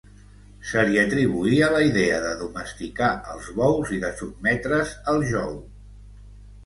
Se li atribuïa la idea de domesticar els bous i de sotmetre'ls al jou.